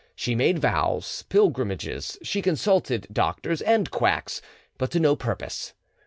She made vows, pilgrimages; she consulted doctors and quacks; but to no purpose.